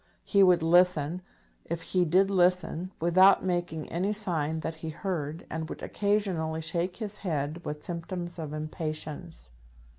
He would listen, if he did listen, without making any sign that he heard, and would occasionally shake his head with symptoms of impatience.